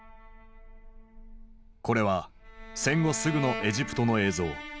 これは戦後すぐのエジプトの映像。